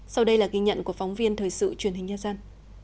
sau đây là ghi nhận của phóng viên thời sự truyền hình nhân dân